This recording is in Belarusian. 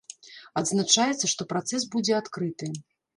Адзначаецца, што працэс будзе адкрыты.